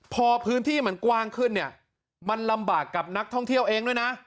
พอพื้นที่มันกว้างขึ้นเนี่ยมันลำบากกับนักท่องเที่ยวเองด้วยนะ